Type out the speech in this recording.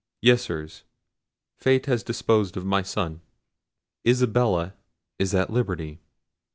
"Yes, Sirs, fate has disposed of my son. Isabella is at liberty."